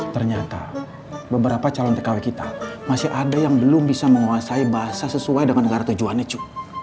ternyata beberapa calon tkw kita masih ada yang belum bisa menguasai bahasa sesuai dengan negara tujuan itu